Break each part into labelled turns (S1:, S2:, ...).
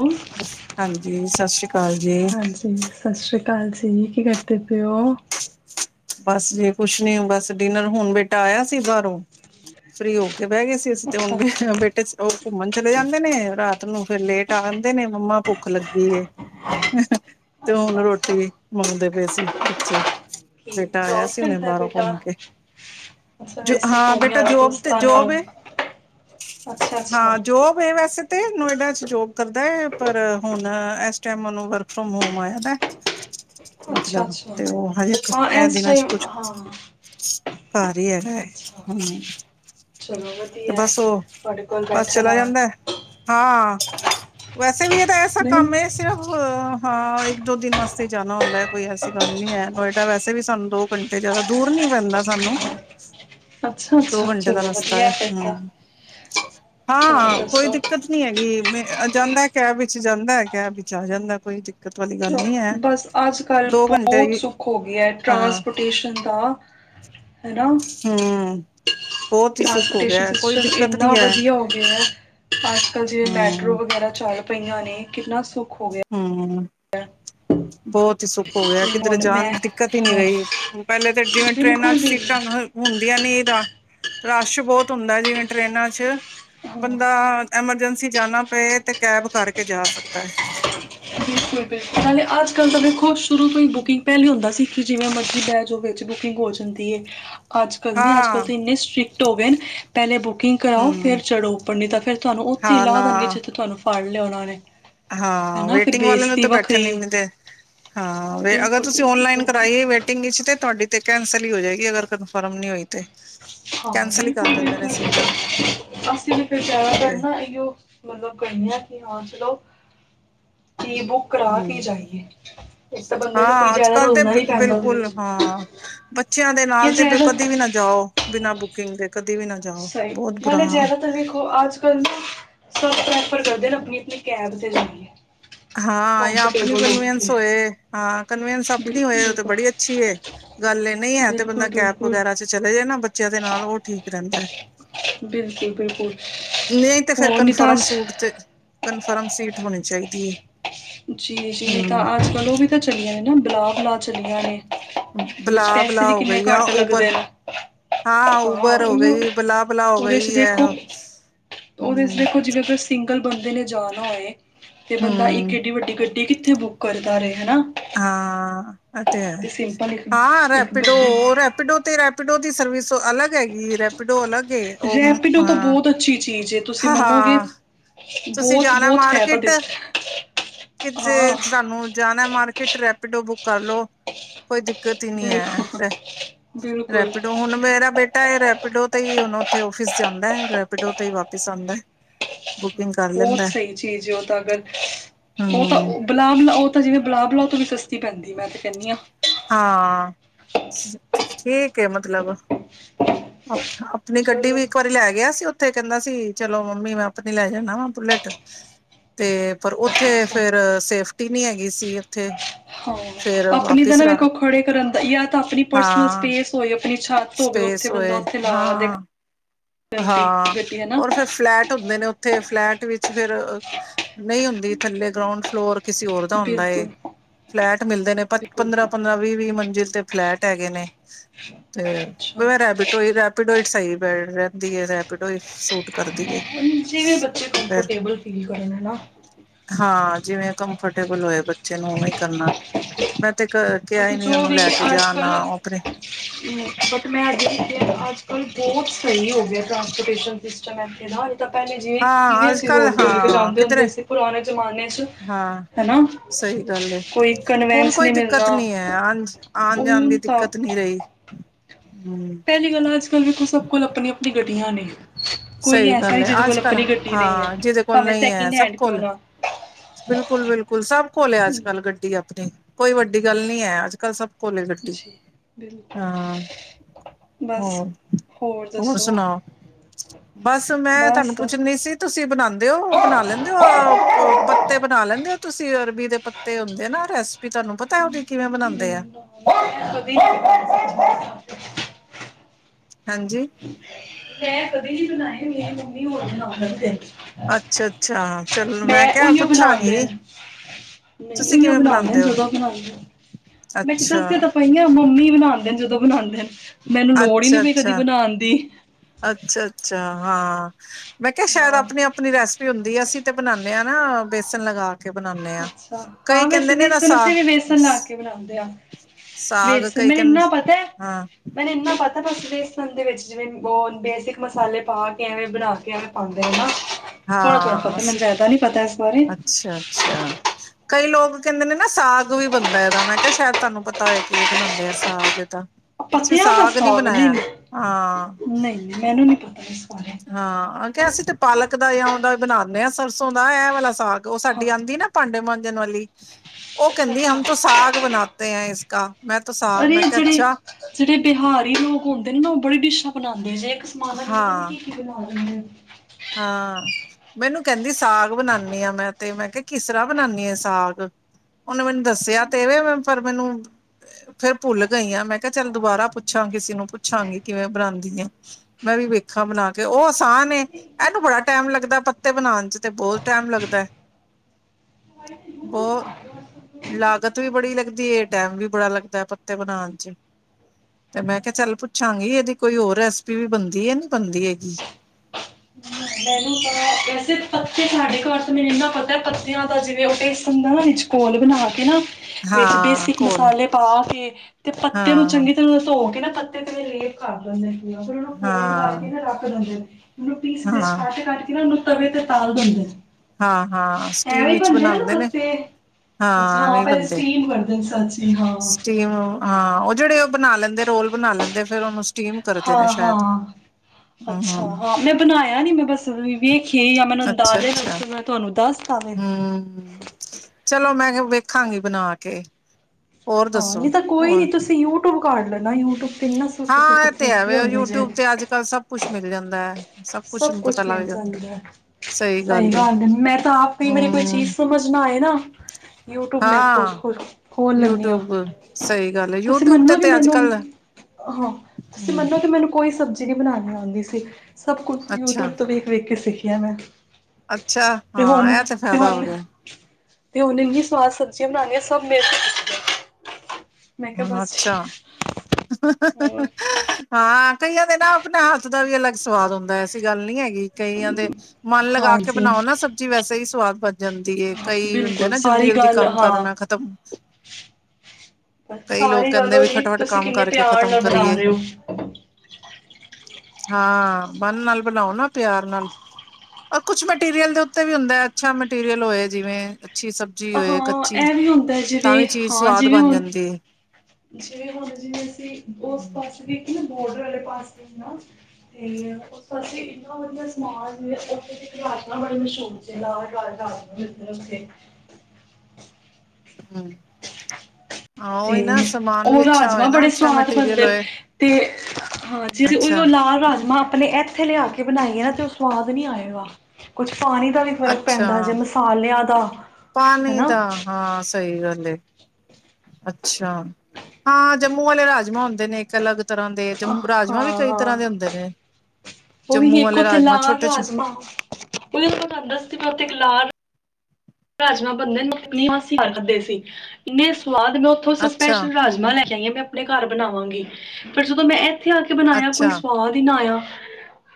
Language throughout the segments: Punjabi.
S1: ਹੈਲੋ
S2: ਹਾਂਜੀ ਸਤਿ ਸ੍ਰੀ ਅਕਾਲ ਜੀ।
S1: ਕਾਲ ਸੀ ਜੀ ਕੀ ਕਰਦੇ ਪਏਓ।
S2: ਬਸ ਜੇ ਕੁਛ ਨੀ ਬਸ ਡਿਨਰ ਹੁਣ ਬੇਟਾ ਆਇਆ ਸੀ ਬਾਹਰੋਂ ਫਰੀ ਹੋਕ ਬਹਿ ਗਏ ਸੀ ਅਸੀਂ ਤੇ
S1: ਅੱਛਾ
S2: ਹੁਣ ਬੇਟੇ ਚ ਉਹ ਘੁੰਮਣ ਚਲੇ ਜਾਂਦੇ ਨੇ ਰਾਤ ਨੂੰ ਫੇਰ ਲੇਟ ਆਂਦੇ ਨੇ ਮੰਮਾ ਭੁੱਖ ਲੱਗੀ ਤੇ ਹੁਣ
S1: ਅੱਛਾ ਅੱਛਾ
S2: ਰੋਟੀ ਮੰਗਦੇ ਪਏ ਸੀ ਬੱਚੇ।
S1: ਕੀ
S2: ਬੇਟਾ ਆਇਆ
S1: ਜੋਬ
S2: ਸੀ ਹੁਣੇ
S1: ਕਰਦਾ
S2: ਬਾਹਰੋਂ
S1: ਬੇਟਾ
S2: ਘੁੰਮ ਕੇ
S1: ਅੱਛਾ
S2: ਜੋ
S1: ਵੈਸੇ
S2: ਹਾਂ
S1: ਘੁੰਮ
S2: ਬੇਟਾ
S1: ਆ ਰਿਹਾ
S2: ਜੋਬ ਤੇ
S1: ਦੋਸਤਾਂ ਨਾਲ
S2: ਜੋਬ ਹੈ
S1: ਅੱਛਾ ਅੱਛਾ
S2: ਹਾਂ ਜੋਬ ਵੈਸੇ ਤੇ। ਨੋਇਡਾ ਚ ਜੋਗ ਕਰਦਾ ਹੈ ਪਰ ਹੁਣ ਟਾਈਮ ਓਨੂੰ ਵਰਕ ਫਰੋਮ ਹੋਮ ਆਇਆ।
S1: ਅੱਛਾ
S2: ਮਤਲਬ
S1: ਅੱਛਾ
S2: ਤੇ ਉਹ ਹਜੇ ਇੱਕ
S1: ਹਾਂ
S2: ਇਹ
S1: ਇਸ
S2: ਦਿਨਾਂ ਚ
S1: ਟਾਈਮ
S2: ਕੁਛ
S1: ਹਾਂ
S2: ਘਰ ਹੀ ਹੈਗਾ ਹੈ
S1: ਅੱਛਾ
S2: ਹੂ।
S1: ਚਲੋ
S2: ਤੇ
S1: ਵਧੀਆ
S2: ਬਸ ਉਹ
S1: ਤੁਹਾਡੇ ਕੋਲ
S2: ਬਸ
S1: ਬੈਠਾ
S2: ਚਲਾ
S1: ਨਾਲ
S2: ਜਾਂਦਾ ਹਾਂ। ਵੈਸੇ ਵੀ ਇਹ ਤਾਂ ਐਸਾ
S1: ਨਹੀਂ
S2: ਕੰਮ ਸਿਰਫ ਹਾਂ ਇੱਕ ਦੋ ਦਿਨ ਵਾਸਤੇ ਜਾਣਾ ਹੁੰਦਾ। ਕੋਈ ਐਸੀ ਗੱਲ ਨੀ ਹੈ ਨੋਇਡਾ ਵੈਸੇ ਵੀ ਸਾਨੂੰ ਦੋ ਘੰਟੇ ਜ਼ਿਆਦਾ ਦੂਰ ਨੀ ਪੈਂਦਾ ਸਾਨੂੰ।
S1: ਅੱਛਾ
S2: ਦੋ
S1: ਅੱਛਾ
S2: ਘੰਟੇ ਦਾ
S1: ਚਲੋ
S2: ਰਸਤਾ
S1: ਵਧੀਆ
S2: ਹੈ
S1: ਫਿਰ। ਤਾਂ ਹੋਰ
S2: ਹਾਂ ਕੋਈ
S1: ਦੱਸੋ
S2: ਦਿੱਕਤ ਨੀ ਹੈਗੀ ਜਾਂਦਾ ਕੈਬ। ਵਿੱਚ ਜਾਂਦਾ ਹੈ ।ਕ ਵਿੱਚ ਆ ਜਾਂਦਾ ਕੋਈ। ਦਿੱਕਤ ਵਾਲੀ
S1: ਚ
S2: ਗੱਲ ਨਹੀਂ ਹੈ
S1: ਬਸ ਅੱਜ ਕੱਲ
S2: ਦੋ ਘੰਟੇ
S1: ਬਹੁਤ
S2: ਹੀ
S1: ਸੁੱਖ ਹੋ ਗਿਆ ਹੈ
S2: ਹਾਂ
S1: ਟਰਾਂਸਪੋਰਟੇਸ਼ਨ ਦਾ ਹਨਾ।
S2: ਹਮ ਬਹੁਤ ਹੀ ਸੁੱਖ ਹੋ ਗਿਆ ਕੋਈ
S1: ਸਿਸਟਮ
S2: ਦਿੱਕਤ
S1: ਇੰਨਾ
S2: ਨੀ ਹੈ
S1: ਵਧੀਆ ਹੋ ਗਿਆ। ਅੱਜ ਕੱਲ ਜਿਵੇਂ ਮੈਟਰੋ
S2: ਹਮ
S1: ਵਗੈਰਾ ਚਾਲ ਪਈਆਂ ਨੇ ਕਿੰਨਾ ਸੁੱਖ ਹੋ ਗਿਆ
S2: ਹੂ ਬਹੁਤ ਹੀ ਸੁੱਖ ਹੋ ਗਿਆ
S1: ਤੇ
S2: ਕਿੱਧਰ
S1: ਹੁਣ
S2: ਜਾਣ
S1: ਮੈਂ
S2: ਦੀ ਦਿੱਕਤ ਹੀ ਨਹੀਂ
S1: ਹਾਂ
S2: ਰਹੀ। ਪਹਿਲੇ ਤਾਂ ਜਿਵੇਂ ਟਰੇਨਾਂ
S1: ਬਿਲਕੁਲ
S2: ਚ
S1: ਵੀ
S2: ਸੀਟਾਂ
S1: ਨਹੀਂ
S2: ਹੁੰਦੀਆਂ ਨੀ। ਦਾ ਰਸ਼ ਬਹੁਤ ਹੁੰਦਾ ਜਿਵੇਂ ਟ੍ਰੇਨਾਂ 'ਚ।
S1: ਹਾਂ
S2: ਬੰਦਾ ਐਮਰਜੈਂਸੀ ਜਾਣਾ ਪਏ ਤੇ ਕੈਬ ਕਰਕੇ ਜਾ ਸਕਦਾ ਏ
S1: ਬਿਲਕੁਲ ਬਿਲਕੁਲ ਨਾਲੇ ਅੱਜ ਕੱਲ੍ਹ ਤਾਂ ਦੇੇਖੋ ਸ਼ੁਰੂ ਤੋਂ ਈ ਬੁਕਿੰਗ ਪਹਿਲੀ ਹੁੰਦਾ ਸੀ ਜਿਵੇਂ ਮਰਜ਼ੀ ਬੈ ਜੋ ਵਿੱਚ ਬੁਕਿੰਗ ਹੋ ਜਾਂਦੀ ਏ ਅੱਜ ਕੱਲ ਨੀ ਅੱਜ ਕੱਲ
S2: ਹਾਂ
S1: ਤਾਂ ਇੰਨੇ ਸਟ੍ਰਿਕਟ- ਤੋ ਗਏ ਨੇ ਪਹਿਲੇ ਬੁੱਕ- ਬੁਕਿੰਗ ਕਰਓ ਫਿਰ
S2: ਹਮ
S1: ਚੜ੍ਹੋ ਉਪਰ ।ਨਹੀ ਤਾਂ ਫਿਰ ਤੁਹਾਨੂੰ ਉੱਥੇ ਹੀ
S2: ਹਾਂ
S1: ਲਾਹ
S2: ਨਾ
S1: ਦੇਣਗੇ, ਜਿੱਥੇ ਤੁਹਾਨੂੰ- ਫੜ੍ਹ ਲਿਆ ਉਨਾਂ ਨੇ- ਹੈ
S2: ਹਾਂ ਵੇ
S1: ਨਾ ਫਿਰ
S2: ਵੇਟਿੰਗ ਵਾਲੇ ਨੂੰ
S1: ਬੇਇੱਜ਼ਤੀ
S2: ਤਾਂ ਬੈਠਣ ਨੀ
S1: ਵੱਖਰੀ
S2: ਦਿੰਦੇ। ਹਾਂ ਅਗਰ,
S1: ਬਿਲਕੁਲ
S2: ਤੁਸੀਂ
S1: ਬਿਲਕੁਲ
S2: ਔਨਲਾਈਨ
S1: ਫਿਰ
S2: ਕਰਾਈ ਵੇਟਿੰਗ ਵਿਚ ਤੇ ਤੁਹਾਡੀ ਤੇ ਕੈਂਸਲ ਹੀ ਹੋ ਜਾਏਗੀ। ਅਗਰ ਕੰਨਫਰਮ ਨਈ ਹੋਈ ਤੇ-
S1: ਹਾਂ
S2: ਕੈਂਸਲ ਹੀ ਕਰ
S1: ਬਿਲਕੁਲ
S2: ਦਿੰਦੇ ਨੇ ਸੀਟਾਂ
S1: ਬਿਲਕੁਲਿਅਸੀਂ ਤੇ ਫਿਰ ਪਿਆਦਾ
S2: ਤੇ
S1: ਕਰਨਾ ਇਓ ਮਤਲਬ ਕਰਨਦੇ ਆ ਕਿ ਹਾਂ ਚਲੋ ਕੀ ਬੁੱਕ ਕਰਾ ਕੇ
S2: ਹੂੰ-
S1: ਜਾਈਏ ਇੱਕ ਤਾਂ ਬੰਦੇ ਨੂੰ ਕੋਈ
S2: ਹਾਂ ਅੱਜ
S1: ਜ਼ਿਆਦਾ
S2: ਕੱਲ ਤੇ
S1: ਰੋਲਣਾ ਨਹੀਂ ਪੈਂਦਾ ਉਹਦੇ
S2: ਬਿਲਕੁਲ
S1: ਵਿੱਚ
S2: ਹਾਂ ਬੱਚਿਆਂ ਦੇ-
S1: ਕਿ
S2: ਨਾਲ ਤੇ ਬਿਰ
S1: ਜ਼ਿਆਦਾ
S2: ਕਦੀ ਵੀ ਨਾ ਜਾਓ ਨਾ ਬੁਕਿੰਗ ਦੇ ਕਦੇ ਵੀ ਨਾ ਜਾਓ
S1: ਸਹੀ
S2: ਬਹੁਤ ਬੁਰਾ
S1: ਨਾਲੇ
S2: ਹਾਲ
S1: ਜ਼ਿਆਦਾਤਰ ਵੇਖੋ ਅਜ ਕੱਲ ਨਾ ਸਭ ਪ੍ਰੈਫਰ ਕਰਦੇ ਨੇ ਆਪਣੀ ਆਪਣੀ ਕੈਬ ਤੇ ਜਾਈਏ
S2: ਹਾਂ, ਜਾਂ ਆਪਣੀ
S1: ਕੰਫਰਟੇਬਲ ਹੋ
S2: ਕਨਵੈਂਸ
S1: ਕੇ
S2: ਹੋਏ ਹਾਂ ਕਨਵੈਨਸ ਆਪਣੀ
S1: ਬਿਲਕੁਲ
S2: ਹੋਏ
S1: ਬਿਲਕੁਲ
S2: ਉਹ ਤੇ ਬੜੀ ਅੱਛੀ ਏ। ਗੱਲ ਇਹ ਨਹੀਂ ਹੈ ਤੇ
S1: ਬਿਲਕੁਲ
S2: ਬੰਦਾ ਕੈਬ
S1: ਬਿਲਕੁਲ
S2: ਵਗੈਰਾ 'ਚ ਚਲੇ ਜਾਏ ਨਾ ਬੱਚਿਆਂ ਦੇ ਨਾਲ ਉਹ ਠੀਕ ਰਹਿੰਦਾ ਏ
S1: ਬਿਲਕੁਲ ਬਿਲਕੁਲ
S2: ਨ ਤੇ
S1: ਹੋ
S2: ਫੇਰ
S1: ਨਹੀਂ ਤਾਂ
S2: ਕਨਫਰਮ
S1: ਅੱਜ
S2: ਸੂਟ'ਚ ਕਨਫਰਮ ਸੀਟ ਹੋਣੀ ਚਾਹੀਦੀ ਏ
S1: ਜੀ ਜੀ ਨਹੀਂ ਤਾਂ ਅੱਜ ਕੱਲ੍ਹ ਉਹ ਵੀ ਤਾਂ ਚਲੀਆ ਏ ਨਾ ਬਲਾ ਬਲਾ ਚੱਲੀਆਂ ਨੇ ਉਹਦੇ ਚ
S2: ਬਲਾ
S1: ਪੈਸੇ
S2: ਬਲਾ
S1: ਵੀ
S2: ਹੋ
S1: ਕਿੰਨੇ
S2: ਗਈ ਜਾਂ
S1: ਘੱਟ
S2: ਉਬਰ।
S1: ਲੱਗਦੇ ਨੇ
S2: ਹਾਂ ਉਬਰ ਹੋ ਗਈ ਬਲਾ ਬਲਾ ਹੋ
S1: ਉਹਦੇ 'ਚ
S2: ਗਈ
S1: ਦੇਖੋ
S2: ਐਹੋ ਹੂੰ
S1: ਅਜਕਲ ਬੰਦੇ ਨੇ ਜਾਣਾ ਏ
S2: ਹੂੰ
S1: ਤੇ ਗੱਡੀ ਕਿੱਥੇ ਬੁੱਕ ਕਰਦਾ ਰਏ ਹਨਾ
S2: ਹਾਂ ਐ ਤੇ ਹੈ
S1: ਸਿੰਪਲ ਇੱਕ
S2: ਹਾਂ
S1: ਇੱਕ
S2: ਰੈਪੀਡੋ
S1: ਗੱਡੀ
S2: -ਰੈਪੀਡੋ ਤੇ ਰਪ -ਪਿਡੋ ਦੀ ਸਰਵਿਸ ਤੋ ਅਲੱਗ ਹੈਗੀ ਏ ।ਰੈਪੀਡੋ ਅਲੱਗ ਏ ਉਹ ਅਮ
S1: ਰੈਪਿਡੋ ਤਾਂ
S2: ਹਾਂ
S1: ਬਹੁਤ ਅੱਛੀ ਚੀਜ਼ ਹੈ ਤੁਸੀਂ
S2: ਹਾਂ
S1: ਮੰਨੋਗੇ
S2: ਹਾਂ ਤੁਸੀਂ
S1: ਬਹੁਤ
S2: ਜਾਣਾ
S1: ਬਹੁਤ
S2: ਮਾਰਕ
S1: ਫਾਇਦਾ ਦਿੱਤਾ ਹਾਂ
S2: ਕਿਥੇ ਸਾਨੂੰ ਜਾਨਾ ਮਾਰਕੀਟ। ਰੈਪੀਡੋ ਬੁੱਕ ਕਰ ਲੋ ਕੋਈ ਦਿਕ-ਤ ਦਿੱਕਤ ਇ ਨੀ ਐ।
S1: ਬਿਲਕੁਲ ਬਿਲਕੁਲ
S2: ਰੈਪਿਡੋ ਹੁਣ ਮੇਰਾ ਬੇਟ- ਰੈਪੀਡੋ ਤੇ ਈ ਹੁਨ ਉਥੇ ਓਫਿਸ ਜਾਂਦਾ ਰੈਪੀਡੋ ਤੇ ਈ ਵਾਪਿਸ ਆਂਦਾ ।
S1: ਬਹੁਤ ਸਹੀ ਚੀਜ਼ ਏ ਉਹ ਤਾਂ ।ਅਗਰ- ਉਹ ਤਾਂ
S2: ਹਮ
S1: ਉ ਬੁਲਾ ਉਹ ਤਾਂ ਜਿਵੇਂ ਬਲਾ ਬਲਾ ਤੋਂ ਵੀ ਸਸਤੀ ਪੈਂਦੀ ਏ ਮੈ ਤੇ ਕੇਨੀ ਆਂ।
S2: ਹਾਂ ਠੀਕ ਏ ਮਤਲਬ ਅਪਨੀ ਗੱਡੀ
S1: ਚਲੋ
S2: ਵੀ ਇੱਕ ਵਾਰੀ ਲੈ ਗਿਆ ਸੀ ਉੱਥੇ। ਕਹਿੰਦਾ ਸੀ ਚਲੋ ਮੰਮੀ ਮੈਂ ਅਪਨੀ ਲੈ ਜਾਂਨਾ ਵਾ ਬੁਲੇਟ ਤੇ- ਪਰ ਉੱਥੇ
S1: ਅੱਛਾ
S2: ਫੇਰ ਸੇਫ ਟੀ ਨੀ ਹੈਗੀ ਸੀ ਉੱਥੇ। [inaudible]
S1: ਹ
S2: ਫੇਰ
S1: ਅਪਨੀ ਯਾ
S2: ਵਾਪਿਸ
S1: ਨਾ
S2: ਰਾ
S1: ਵੇਖੋ ਖੜੇ ਕਰਨ ਦਾ ਯਾ ਤਾਂ ਆਪਣੀ ਪਰਸਨਲ
S2: ਹਾਂ
S1: ਸਪੇਸ ਹੋਏ। ਆਪਨੀ ਛੱਤ ਹੋਵੇ। ਉੱਥੇ
S2: ਸਪੇਸ
S1: ਬੰਦਾ
S2: ਹੋਏ
S1: ਉੱਥੇ ਲਾ ਦੇ।
S2: ਹਾਂ
S1: ਗੰਦੀ
S2: ਹਾਂ
S1: ਗੱਡੀ ਹੈ ਨਾ
S2: ਉਰ ਫੇਰ ਫਲੈਟ ਹੁੰਦੇ ਨੇ ।ਉੱਥੇ ਫਲੈਟ- ਵਿੱਚ ਫੇਰ ਨਹੀਂ ਹੁੰਦੀ ।ਥੱਲੇ ਗਰਾਉਂਡ ਫਲੋਰ- ਕਿਸੇ ਹੋਰ ਦਾ ਹੁੰਦਾ ਏ
S1: ਬਿਲਕੁਲ
S2: ।ਫਲੈਟ ਮਿਲਦੇ ਨੇ
S1: ਬਿਲਕੁਲ
S2: ਪੰਦਰਾਂ-
S1: ਬਿਲਕੁਲ
S2: ਪੰਦਰਾਂ, ਵੀਹ -ਵੀਹ ਮੰਜ਼ਿਲ ਤੇ ਫਲੈਟ- ਹੈਗੇ ਨੇ ਤ ਤੇ
S1: ਅੱਛਾ
S2: ਮੈਂ ਰੈਪੀਡੋ ਰੈਪੀਡੋ ਈ ਸਈ ਬੈਠ- ਦੀ ਏ ਰੈਪਿਡੋ ਈ।
S1: ਜਿਵੇਂ ਬੱਚੇ
S2: ਫਿਰ
S1: ਕੰਫਰਟੇਬਲ ਫੀਲ ਕਰਨ ਹੈਨਾ।
S2: ਹਾਂ ਜਿਵੇਂ ਕੰਫਰਟੇਬਲ ਹੋਏ ਬੱਚੇ ਨੂੰ ਉਂਵੇ ਕਰਨਾ- ਮੈਂ ਤੇ ਕ
S1: ਬਟ ਜੋ ਵੀ ਏ ਅੱਜ ਕੱਲ ।ਬਟ ਮੈਂ ਅੱਜ- ਅੱਜ ਕੱਲ੍ਹ ਬੋਤ ਸਹੀ ਏ ਤੇ ਟਰਾਂਸਪੋਰਟੇਸ਼ਨ ਸਿਸਟਮ ਏ- ਤਾਂ ਪਹਿਲੇ ਜਿਵੇਂ
S2: ਹਾਂ
S1: ਕਿਵੇਂ
S2: ਅੱਜ
S1: ਅਸੀਂ
S2: ਕੱਲ
S1: ਰੋਲ ਕਢੋਲ ਕੇ
S2: ਹਾਂ
S1: ਜਾਂਦੇ ਹੁੰਦੇ
S2: ਕਿਧਰੇ
S1: ਸੀ ਪੁਰਾਨੇ ਜ਼ਮਾਨੇ 'ਚ।
S2: ਹਾਂ
S1: ਹੈਨਾ।
S2: ਸਹੀ ਗੱਲ
S1: ਕੋਈ ਕਨਵੈਂਸ ਨਹੀਂ ਮਿਲਣਾ।
S2: ਆਂਜ ਆਨ
S1: ਉਹ
S2: ਜਾਨ
S1: ਹੁਣ
S2: ਦੀ
S1: ਤਾਂ
S2: ਦਿੱਕਤ ਨਈ ਰਈ।
S1: ਪਹਿਲੀ ਗੱਲ ਅੱਜ ਕੱਲ ਵੇਖੋ ਸਭ ਕੋਲ ਅਪਨੀ ਅਪਨੀ ਗੱਡੀ- ਡੀਆਂ ਨੇ। [inaudible] ਕੋਈ
S2: ਸਹੀ
S1: ਐਸਾ
S2: ਗੱਲ
S1: ਨਹੀਂ
S2: ਏ
S1: ਜਿਹਦੇ
S2: ਅੱਜ
S1: ਕੋਲ
S2: ਕੱਲ੍ਹ
S1: ਆਪਣੀ ਗੱਡੀ ਨਹੀਂ ਹੈ
S2: ਹਾਂ ਜਿਹਦੇ ਕੋਲ
S1: ਭਾਵੇਂ
S2: ਨਹੀਂ ਏ
S1: ਸੈਕਿੰਡ
S2: ਸਭ
S1: ਹੈਂਡ ਕਿਉਂ
S2: ਕੋਲ
S1: ਨਾ।
S2: ਬਿਲਕੁਲ ਬਿਲਕੁਲ ਸਭ ਸੱਭ ਕੋਲ ਐ ਅੱਜ ਕੱਲ ਗੱਡੀ ਆਪਣੀ। ਕੋਈ ਵੱਡੀ ਗੱਲ ਨ੍ਹੀਂ ਐ ਅੱਜ ਕੱਲ੍ਹ ਸਭ ਸੱਭ ਕੋਲ ਐ ਗੱਡੀ
S1: ਜੀ ਬਿਲਕੁਲ
S2: ਹਾਂ,
S1: ਬਸ
S2: ਹੋਰ ਹੋਰ ਸੁਣਾ? ਬਸ ਮੈਂ ਤੁਹਾਨੂੰ
S1: ਬਸ
S2: ਪੁੱਛਣੀ ਸੀ ਤੁਸੀਂ ਬਣਾਉਂਦੇ? ਬਣਾ ਲੈਂਦੇ ਔ, ਓ ਬਣਾ ਲੈਂਦੇ ਆ ਆ ਪਤ ਬਣਾ ਲੈਂਦੇ ਹੋ ਤੁਸੀਂ ਅਰਬੀ ਦੇ ਪੱਤੇ ਹੁੰਦੇ ਨਾ। ਰੈਸਪੀ ਤਾਨੂੰ ਪਤਾ ਉਹਦੀ ਕਿਵੇਂ ਬਣਾਂਦੇ ਆ?
S1: [unintelligible]
S2: ਹਾਂਜੀ!
S1: ਮੈਂ ਕਦੇ ਨੀ ਬਣਾਏ ਮੇਰੀ ਮੰਮੀ ਹੋਰੀ ਬਨਾ ਲੈਂਦੇ
S2: ਅੱਛਾ ਅੱਛਾ। ਚਲੋ
S1: ਮੈਂ
S2: ਕਿਹਾ
S1: ਉਈਆਂ ਬਣਾਉਂਦੇ
S2: ਪੁੱਛਾਂਗੀ
S1: ਨਹੀਂ
S2: ਤੁਸੀਂ
S1: ਉਈਆਂ
S2: ਕਿਵੇਂ
S1: ਬਣਾਉਂਦੇ
S2: ਹੋ
S1: ਜਦੋਂ ਬਣਾਉਦੇ ਮੈਂ ਕਿਹਾ
S2: ਅੱਛਾ
S1: ਦੱਸਦੀ ਤਾਂ ਪਈ ਆਂ ਮੰਮੀ ਬਣਾਂਦੇ ਜਦੋਂ ਬਣਾਉਂਦੇ ਐ ਮੈਨੂੰ ਲੋੜ ਹੀ ਨ੍ਹੀਂ
S2: ਅੱਛਾ
S1: ਪਈ ਕਦੀ
S2: ਅੱਛਾ
S1: ਬਣਾਉਣ ਦੀ।
S2: ਅੱਛਾ ਅੱਛਾ, ਹਾਂ। ਮੈਂ ਕਿਹਾ ਸ਼ਾਇਦ
S1: ਹਾਂ
S2: ਆਪਣੀ-ਆਪਣੀ ਰੈਸਪੀ ਹੁੰਦੀ ਦੀ ਅਸੀਂ ਤੇ ਬਣਾਉਦੇ ਹਾਂ ਨਾ ਬੇਸਨ ਲਗਾ ਕੇ ਬਣਾਉਂਦੇ ਹਾਂ
S1: ਅੱਛਾ
S2: ਕਈ
S1: ਹਾਂ ਵੈਸੇ
S2: ਕਹਿੰਦੇ ਨੇ ਇਹਦਾ
S1: ਬੇਸਣ ਅਸੀਂ
S2: ਸਾਗ
S1: ਵੀ ਬੇਸਣ ਲਾ ਕੇ ਬਣਾਂਦੇ ਹਾਂ,
S2: ਸਾਗ
S1: ਬੇਸਣ
S2: ਕਈ
S1: ਮੈਨੂੰ ਇੰਨਾ
S2: ਕਹਿੰਦੇ
S1: ਪਤਾ,
S2: ਹਾਂ
S1: ਮੈਨੂੰ ਇੰਨਾ ਪਤਾ ਤਾਂ ਬਸ ਬੇਸਨ ਦੇ ਵਿੱਚ ਜਿਵੇਂ ਉਹ ਬੋ ਬੇਸਿਕ ਮਸਾਲੇ ਪਾ ਕੇ ਐਵੇਂ ਬਣਾ ਕੇ ਐਵੇਂ ਪਾਂਦੇ ਐ ਨਾ? ਥੋੜਾ-ਥੋੜਾ
S2: ਹਾਂ
S1: ਪਤਾ ਮੈਨੂੰ
S2: ਅਸੀਂ
S1: ਜ਼ਿਆਦਾ ਨੀ ਪਤਾ ਇਸ ਬਾਰੇ
S2: ਅੱਛਾ ਅੱਛਾ ਕਈ ਲੋਕ ਕਹਿੰਦੇ ਨੇ ਨਾ ਸਾਗ ਵੀ ਬਣਦਾ ਇਹਦਾ ਮੈਂ ਕਿਹਾ ਸ਼ਾਇਦ ਤਾਨੂੰ ਪਤਾ ਹੋਇਆ ਕਿਵੇਂ ਬਣਾਂਦੇ ਏ ਸਾਗ ਇਹਦਾ ਅਸੀਂ
S1: ਪਤਿਆਂ ਦਾ
S2: ਨੀ
S1: ਸਾਗ ਨਈਂ
S2: ਬਣਾਇਆ
S1: ਨਈਂ,
S2: ਹਾਂ
S1: ਨਹੀਂ ਮੈਨੂੰ ਨੀ ਪਤਾ ਬਾਰੇ
S2: ਹਾਂ, ਅਸੀਂ ਤਾਂ ਪਾਲਕ ਦਾ, ਜਾਂ ਉਹਦਾ ਬਣਾ ਪਿਆ ਸਰਸੋਂ ਦਾ ਇਹ ਵਾਲਾ ਸਾਗ। ਉਹ,
S1: ਹਾਂ
S2: ਸਾਡੀ ਆਂਦੀ ਅ ਨਾ, ਭਾਂਡੇ ਮਾਣ ਦੁਨਾਲੀ ਉਹ
S1: ਅੱਛਾ
S2: ਕਹਿੰਦੀ,
S1: ਅੱਛਾ
S2: ਹਮ ਤੋ ਸਾਗ ਬਣਾਤੇ ਹੈ ਇਸ ਕਾ
S1: ਅਰੇ, ਜਿਹੜੇ-ਜਿਹੜੇ ਬਿਹਾਰੀ ਲੋਕ ਹੁੰਦੇ ਨਾਂ, ਬੜੀ ਡਿਸ਼ਾਂ ਬਣਾਦੇ ਜੇ? ਸਮਾਨ ਦਾ ਪਤਾ ਵੀ,
S2: ਹਾਂ
S1: ਕੀ-ਕੀ ਬਣਾ ਲੀਨੇ
S2: ਹਾਂ ਮੈਨੂੰ ਕਹਿੰਦੀ ਸਾ ਬਣਾਂਦੀ ਆਂ ਮੈਂ ਤੇ ਮੈਂ ਕਿ ਕਿਸ ਤਰ੍ਹਾਂ ਬਣਾਨੀ ਐ ਸਾਗ, ਉਹਨੇ ਮੈਨੂੰ ਦੱਸਿਆ ਤੇ ਇਵੇ ਮੈਂ ਪਰ ਮੈਨੂੰ ਫੇਰ ਭੁੱਲ ਗਈ ਆਂ, ਮੈਂ ਕਿਹਾ ਚੱਲ ਦੁਬਾਰਾ ਪੁੱਛਾਂ ਕਿਸੇ ਨੂੰ ਪੁੱਛਾਂਗੀ ਕਿਵੇਂ ਬਣਾਂਦੀ ਐਂ ਮੈਂ ਵੀ ਵੇਖਾਂ ਬਣਾ ਕੇ ਉਹ ਆਸਾਨ ਏ ਇਹਨੂੰ ਬੜਾ ਟੈਮ ਲੱਗਦਾ ਪੱਤੇ ਬਣਾਉਣ ਚ ਤੇ ਬਹੁਤ ਟੈਮ ਲੱਗਦਾ। ਬਹੁਤ ਲਾਗਤ ਵੀ ਬੜੀ ਲੱਗਦੀ ਏ, ਟੈਮ ਵੀ ਬੜਾ ਲੱਗਦਾ ਐ ਪੱਤੇ ਬਣਾਉਣ ਚ, ਤੇ ਮੈਂ ਕਿਆ ਚੱਲ ਪੁੱਛਾਂਗੀ ਇਹਦੀ ਕੋਈ ਹੋਰ ਰੈਸਪੀ ਵੀ ਬਣਦੀ ਐ, ਨੀਂ ਬਣਦੀ ਹੈਗੀ?
S1: [unintelligible] ਮੈਨੂੰ ਪਤਾ ਵੈਸੇ ਪੱਤੇ ਸਾਡੇ ਘਰ ਚ ਮੈਨੂੰ ਐਨਾਂ ਪਤਾ ਪੱਤਿਆਂ ਦਾ ਜਿਵੇਂ ਉਹ ਟੇਸ ਹੁੰਦਾ ਦਾ ਨਾ ਵਿਚ ਕੋੋਲ ਬਣਾ ਕੇ ਨਾ ਵਿੱਚ
S2: ਹਾਂ
S1: ਬੇਸਿਕ
S2: ਘੋਲ
S1: ਮਸਾਲੇ ਪਾ ਕੇ। ਤੇ ਪੱਤੇ ਨੂੰ
S2: ਹਾਂ
S1: ਚੰਗੀ ਤਰ੍ਹਾਂ ਰਸੋ ਕੇ ਨਾ ਪੱਤੇ ਤੇਂ ਲੇਪ ਕਰ ਦਿੰਦੇ ਨੇ। ਫਿਰ ਉਹਨੂੰ ਫੋਨ
S2: ਹਾਂ
S1: ਮਾਰਕੇ ਨਾ ਰੱਖ ਦਿੰਦੇ। ਪੀਸ ਦੇ
S2: ਹਾਂ
S1: ਕਰਕੇ ਨਾ ਉਹਨੂੰ ਤਵੇ ਤੇ ਤਾਲ ਦਿੰਦੇ
S2: ਹਾਂ ਹਾਂ
S1: ਐਵੇਂ
S2: ਸਟੀਮ
S1: ਹੀ
S2: ਵਿੱਚ
S1: ਬਣਦੇ ਨਾ
S2: ਬਣਾਉਦੇ ਨੇ
S1: ਪੱਤੇ ਅੱਛਾ
S2: ਹਾਂ ਇਹਵੇ
S1: ਪਹਿਲੇ
S2: ਬੰਦੇ
S1: ਸਟੀਮ ਕਰਦੇ ਨੇ ਸੱਚੀ ਹਾਂ
S2: ਸਟੀਮ ਹਾਂ ਉਹ ਜਿਹੜੇ ਬਣਾ ਲੈਂਦੇ ਰੋਲ ਬਣਾ ਲੈਂਦੇ ਫਿਰ ਉਹੁ
S1: ਹਾਂ- ਹਾਂ ਅੱਛਾ,
S2: ਹੂੰ
S1: ਹਾਂ ਮੈਂ ਬਣਾਇਆ ਨੀ ਮੈਂ ਬਸ ਵੇਖੀ ਜਾਂ ਮੈਨੂੰ ਅੰਦਾਜੇ। ਤੁਹਾਨੂੰ ਦੱਸ
S2: ਹਮ ਚਲੋ ਮੈਂ ਕਿਹਾ ਵੇਖਾਂਗੀ ਬਣਾ ਕੇ ਹੋਰ
S1: ਹਾਂ
S2: ਦੱਸੋ
S1: ਨਹੀਂ ਤਾਂ ਕੋਈ
S2: ਹੋਰ
S1: ਨੀ ਤੁਸੀਂ ਯੂਟਿਊਬ ਕਰ ਲੈਣਾ ਯੂਟਿਊਬ ਤੇ ਇੰਨਾ ਸੌਖੇ
S2: ਹਾਂ
S1: ਸੌਖੇ
S2: ਇਹ ਤੇ
S1: ਤਰੀਕੇ
S2: ਹੈਵੇ
S1: ਹੁੰਦੇ ਜੇ
S2: ਯੂਟਿਊਬ ਤੇ ਅੱਜ ਕੱਲ ਸਭ ਕੁਛ। ਮਿਲ ਜਾਂਦਾ।
S1: ਸਭ ਕੁਛ ਮਿਲ ਜਾਂਦਾ ਸਹੀ ਗੱਲ ਹੈ ਮੈਂ ਤਾਂ ਆਪ ਕਈ ਵਾਰੀ ਕੋਈ ਚੀਜ਼
S2: ਹੂੰ
S1: ਸਮਝ ਨਾ ਆਏ ਨਾ ਯੂਟਿਊਬ ਮੈਂ ਪੁ
S2: ਹਾਂ
S1: ਖ ਖੋਲ ਲੈਂਦੀ ਹਾਂ
S2: ਯੂਟਿਊਬ ਸਹੀ ਗੱਲ ਹੈ
S1: ਤੁਸੀਂ
S2: ਯੂਟਿਊਬ
S1: ਮੰਨੋ
S2: ਤੇ
S1: ਕਿ
S2: ਤੇ ਅੱਜ
S1: ਮੈਨੂੰ
S2: ਕੱਲ
S1: ਹਾਂ ਤੁਸੀਂ
S2: ਹੂੰ
S1: ਮੰਨੋ ਕਿ ਮੈਨੂੰ ਕੋਈ ਸ ਜਿਹੜੀ ਬਣਾਉਣੀ ਆਉਂਦੀ ਸੀ ਸਭ ਕੁਛ ਯੂਟਿਊਬ
S2: ਅੱਛਾ
S1: ਤੋਂ ਵੇਖ ਵੇਖ ਕੇ ਸਿੱਖ ਗਿਆ ਮੈਂ
S2: ਅੱਛਾ
S1: ਤੇ
S2: ਹਾਂ ਇਹ ਤੇ ਫਾਇਦਾ ਹੋ ਗਿਆ
S1: ਅਤੇ ਉਹਨੇੰ ਵੀ ਸਵਾਦ ਸਬਜ਼ੀਆਂ ਬਣਾਉਣੀਆਂ ਸਭ ਮੇ ਸ।
S2: ਹ ਅੱਛਾ
S1: ਹੈ। ਹੋਰ
S2: ਹਾਂ। ਕਈਆਂ ਦੇ ਨਾ ਆਪਣੇ ਹੱਥ ਦਾ ਵੀ ਅਲੱਗ ਸਵਾਦ ਹੁੰਦਾ ਐਸੀ ਗੱਲ ਨੀ ਹੈਗੀ। ਕਈਆਂ ਦੇ ਮਨ ਲਗਾ ਕੇ
S1: ਹਾਂਜੀ
S2: ਬਣਾਓ ਨਾ ਸਬਜ਼ੀ ਵੈਸੇ ਹੀ ਸਵਾਦ ਬਚ ਜਾਂਦੀ ਏ ਕਈ ਹੁੰਦੇ
S1: ਬਿਲਕੁਲ
S2: ਨਾ ਜਲਦੀ
S1: ਸਾਰੀ
S2: ਜਲਦੀ
S1: ਗੱਲ
S2: ਕੰਮ
S1: ਹਾਂ
S2: ਕਰਨਾ ਖਤਮ। ਕਈ ਲੋਕ
S1: ਸਾਰੀ ਗੱਲ
S2: ਕਹਿੰਦੇ
S1: ਹੋ
S2: ਵੀ
S1: ਰਹੀ
S2: ਖਟਵਟ
S1: ਤੁਸੀਂ
S2: ਕੰਮ
S1: ਕਿੰਨੇ
S2: ਕਰਕੇ
S1: ਪਿਆਰ
S2: ਖ਼ਤਮ
S1: ਨਾਲ ਬਣਾ
S2: ਕਰੀਏ
S1: ਰਹੇ ਹੋ।
S2: ਹਾਂ। ਮਨ ਨਾਲ ਬਣਾਓ ਨਾ ਪਿਆਰ ਨਾਲ--ਅ ਕੁਛ ਮਟੀਰੀਅਲ ਦੇ ਉੱਤੇ ਵੀ ਹੁੰਦਾ। ਅੱਛਾ ਮਟੀਰੀਅਲ ਹੋਏ ਜਿਵੇਂ ਅੱਛੀ ਸਬਜ਼ੀ ਹੋਏ
S1: ਆਹਾਂ
S2: ਕੱਚੀ
S1: ਇਹ ਵੀ ਹੁੰਦਾ
S2: ਤਾਂ ਵੀ
S1: ਜਿਵੇਂ
S2: ਚੀਜ਼
S1: ਹਾਂ
S2: ਸਵਾਦ
S1: ਜਿਵੇਂ
S2: ਬਣ
S1: ਹੁਣ
S2: ਜਾਂਦੀ ਹੈ
S1: ਜਿਵੇਂ ਹੁਣ ਜਿਵੇਂ ਅਸੀਂ ਉਸ ਪਾਸੇ ਵੀ ਕੀ ਹੁੰਦਾ ਬੋਰਡਰ ਵਾਲੇ। ਪਾਸ ਨਾ ਤੇ ਉਸ ਪਾਸੇ ਇਨਾ ਵਧੀਆ ਸਮਾਨ ਉਥੇ ਦੇ ਤੇ ਰਾਜਮਾ ਬੜੇ ਮਸ਼ਹੂਰ ਸੀ ਲਾਲ ਰਾਜਮਾ ਮਿਲਦੇ ਉੱਥੇ
S2: ਹਮ। ਹਾਂ
S1: ਤੇ
S2: ਉਹੀ ਨਾ ਸਮਾਨ ਵੀ
S1: ਉਹ
S2: ਅੱਛਾ
S1: ਰਾਜਮਾਂ
S2: ਹੋਏ ਨਾ
S1: ਬੜੇ
S2: ਅੱਛਾ
S1: ਸਵਾਦ
S2: ਮਟੀਰੀਅਲ
S1: ਬਣਦੇ ਨੇ।
S2: ਹੋਏ
S1: ਤੇ ਹਾਂ ਜੇ ਓਈਉ
S2: ਅੱਛਾ
S1: ਲਾਲ ਰਾਜਮਾਂ ਆਪਣੇ ਏਥ ਏਥੇ ਲਿਆ ਕੇ ਬਣਾਈਏ ਨਾ ਤੇ ਉਹ ਸਵਾਦ ਨੀ ਆਏਗਾ। ਕੁਛ ਪਾਣੀ ਦਾ ਵੀ ਫ਼ਰਕ ਪੈਂਦਾ
S2: ਅੱਛਾ
S1: ਜੇ। ਮਸਾਲਿਆਂ ਦਾ
S2: ਪਾਣੀ
S1: ਹਨਾ
S2: ਦਾ। ਹਾਂ ਸਈ ਗੱਲ। ਲੇ। ਅੱਛਾ। ਹਾਂ। ਜੰਮੂ ਵਾਲੇ ਰਾਜਮਾਂ ਹੁੰਦੇ ਨੇ ਇੱਕ ਅਲੱਗ ਤਰ੍ਹਾਂ ਦੇ, ਜੰਮੂ ਰਾਜਮਾਂ ਵੀ ਕਈ ਤਰ੍ਹਾਂ ਦੇ ਹੁੰਦੇ ਨੇ।
S1: ਉਹੀਹੀ
S2: ਜੰਮੂ
S1: ਇੱਕ
S2: ਵਾਲੇ
S1: ਉੱਥੇ
S2: ਰਾਜਮਾਂ
S1: ਲਾਲ
S2: ਛੋਟੇ ਛੋ
S1: ਰਾਜਮਾ। ਉਈਉ ਤੇ ਮੇ ਤੁਹਾਨੂੰ ਦੱਸਦੀ ਪਈ ਉੱਥੇ ਇੱਕ ਲਾਲ ਰਾਜਮਾ ਬਣਨ ਆਪਣੀ ਮਾਸੀ ਘਰ ਖਾਧੇ ਸੀ। ਇੰਨੇ ਸ ਸਵਾਦ ਲਓ ਉੱਥੋਂ
S2: ਅੱਛਾ
S1: ਸਪੈਸ਼ਲ ਰਾਜਮਾ ਲੈ ਸਹੀ ਆ ਮੈਂ ਆਪਣੇ ਘਰ ਬਣਾਵਾਂਗੀ। ਪਰ ਜਦੋਂ ਮੈਂ ਇਹ ਇੱਥੇ ਆ ਕੇ ਬਣਾਇਆ ਕੋਈ
S2: ਅੱਛਾ
S1: ਸਵਾਦ ਹੀ ਨਾ ਆਇਆ।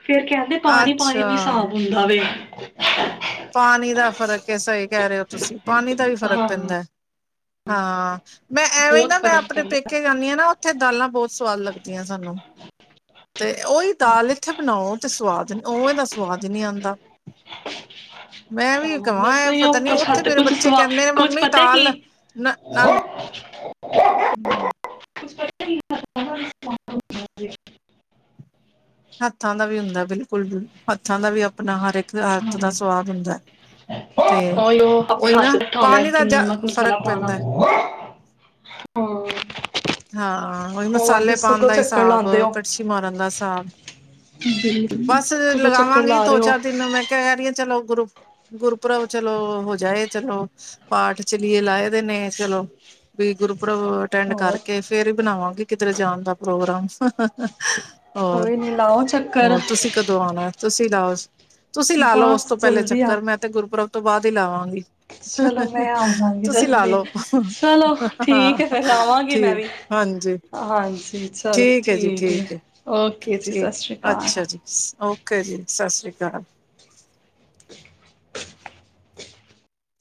S1: ਫੇਰ ਕਹਿੰਦੇ ਪਾਣੀ ਪਾਣੀ ਵੀ
S2: ਅੱਛਾ
S1: ਸਾਫ਼ ਹੁੰਦਾ ਵੇ [inaudible]
S2: ਪਾਣੀ ਦਾ ਫ਼ਰਕ ਐ ਕਹਿ ਰਹੇ ਹੋ ਤੁਸੀਂ ਪਾਣੀ ਦਾ ਵੀ ਫ਼ਰਕ
S1: ਹਾਂ
S2: ਪੈਂਦੇ ਹਾਂ ਮੈਂ ਐਵੇਂ ਹੀ
S1: ਬਹੁਤ
S2: ਨਾ ਮੈਂ
S1: ਫਰਕ
S2: ਆਪਣੇ
S1: ਪੈਂਦਾ
S2: ਪੇਕੇ ਜਾਂਦੀ ਹਾਂ ਨਾ ਉੱਥੇ ਦਾਲਾਂ ਬਹੁਤ ਸਵਾਦ ਲੱਗਦੀਆਂ ਸਾਨੂੰ। ਤੇ ਓਹੀ ਦਾਲ ਇੱਥੇ ਬਣਾਓ ਤੇ ਸਵਾਦ ਓਵੇ ਦਾ ਸਵਾਦ ਹੀ ਨਹੀਂ ਆਉਂਦਾ ਮੈਂ
S1: ਹਾਂ
S2: ਵੀ
S1: ਬਸ
S2: ਕਹਾਂ
S1: ਉਹੀ
S2: ਪਤਾ
S1: ਉਹ
S2: ਨੀ
S1: ਕੁਛ
S2: ਉੱਥੇ
S1: ਹੱਦ
S2: ਮੇਰੇ
S1: ਕੁਛ
S2: ਬੱਚੇ
S1: ਸਵਾ
S2: ਕਹਿੰਦੇ ਨੇ
S1: ਕੁਛ
S2: ਮੰਮੀ
S1: ਪਤਾ ਕੀ
S2: ਦਾਲ ਨਾ ਨ ਹੂੰ [inaudible]
S1: [inaudible]
S2: ਹੱਥਾਂ ਦਾ ਵੀ ਹੁੰਦਾ ਬਿਲਕੁਲ ਹੱਥਾਂ ਦਾ ਵੀ ਆਪਣਾ ਹਰ ਇੱਕ ਹੱਥ ਦਾ
S1: ਹੂੰ
S2: ਸਵਾਦ ਹੁੰਦਾ ਤੇ
S1: ਉਹੀ ਉਹ
S2: ਉਹੀ
S1: ਆਪਣਾ
S2: ਨਾ
S1: ਹੱਥ ਬਠਾਉਂਦਾ
S2: ਪਾਣੀ ਦਾ
S1: ਕਿ
S2: ਜਾ
S1: ਨਮਕ
S2: ਫ਼ਰਕ
S1: ਮਸਾਲਾ ਪਾਉਣਾ
S2: ਪੈਂਦਾ
S1: ਹੂੰ [inaudible]
S2: ਹਾਂ ਹਾਂ ਉਹੀ ਮਸਾਲੇ ਪਾਣ
S1: ਕਦੋਂ
S2: ਦਾ
S1: ਚੱਕਰ
S2: ਹਿਸਾਬ
S1: ਲਾਉਂਦੇ ਹੋ?
S2: ਕੜਛੀ ਮਾਰਨ ਦਾ ਹਿਸਾਬ ਬਸ
S1: ਕਦੋਂ ਚੱਕਰ
S2: ਲਗਾਵਾਂਗੇ
S1: ਲਾ
S2: ਦੋ
S1: ਰਹੇ ਹੋ?
S2: ਚਾਰ ਦਿਨ ਮੈਂ ਕਹਿ ਰਹੀ ਆ ਚਲੋ ਗੁਰੂ ਗੁਰਪ੍ਰਬ ਚਲੋ ਹੋ ਜਾਏ ਚਲੋ ਪਾਠ ਚਲੀਏ ਲਾਏ ਦੇ ਨੇ ਚਲੋ ਵੀ ਗੁਰਪ੍ਰਬ ਅਟੈਂਡ ਕਰ।
S1: ਹੋਰ
S2: ਕੇ ਫੇਰ ਹੀ ਬਣਾਵਾਂਗੇ ਕਿਧਰੇ ਜਾਣ ਦਾ ਪ੍ਰੋਗਰਾਮ। ਹੋਰ
S1: ਕੋਈ ਨੀ ਲਾਓ ਚੱਕਰ।
S2: ਹੋਰ ਤੁਸੀਂ ਕਦੋਂ ਆਉਣਾ ਤੁਸੀਂ ਲਓਸ ਤੁਸੀਂ ਲਾ ਲਓ ਉਸ
S1: ਬਸ
S2: ਤੋਂ ਪਹਿਲੇ
S1: ਜਲਦੀ ਆ
S2: ਚੱਕਰ ਮੈਂ ਤੇ ਗੁਰਪ੍ਰਬ। ਤੋਂ ਬਾਅਦ ਹੀ ਲਾਵਾਂਗੀ।
S1: ਚਲੋ ਮੈਂ ਆਜਾਂਗੀ
S2: ਤੁਸੀਂ ਲਾ
S1: ਜਲਦੀ
S2: ਲਓ
S1: ਚਲੋ ਠੀਕ ਹੈ
S2: ਹਾਂ
S1: ਫੇਰ ਆਵਾਂਗੀ। ਮ
S2: ਠੀਕ
S1: ਵੀ
S2: ਹਾਂਜੀ
S1: ਹਾਂਜੀ ਚਲੋ ਠੀਕ ਹੈ ਓਕੇ ਜੀ
S2: ਠੀਕ
S1: ਸਤਿ ਸ੍ਰੀ ਅਕਾਲ।
S2: ਅੱਛਾ ਜੀ ਓਕੇ ਜੀ ਸਤਿ ਸ੍ਰੀ ਅਕਾਲ।